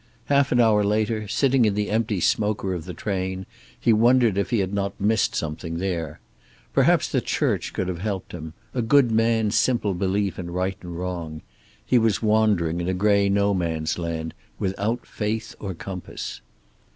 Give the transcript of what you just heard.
Half an hour later, sitting in the empty smoker of the train, he wondered if he had not missed something there. Perhaps the church could have helped him, a good man's simple belief in right and wrong. He was wandering in a gray no man's land, without faith or compass.